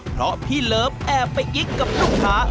เพราะพี่เลิฟแอบไปกิ๊กกับลูกค้า